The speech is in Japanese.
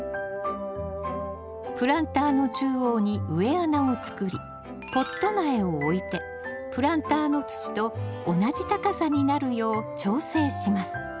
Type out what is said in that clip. プランターの中央に植え穴を作りポット苗を置いてプランターの土と同じ高さになるよう調整します。